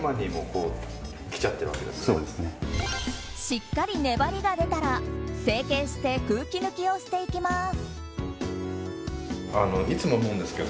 しっかり粘りが出たら成形して空気抜きをしていきます。